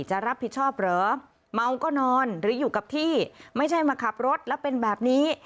จะรับผิดชอบเหรอเมาก็นอนหรืออยู่กับที่ไม่ใช่มาขับรถแล้วเป็นแบบนี้